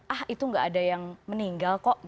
ah itu nggak ada yang meninggal kok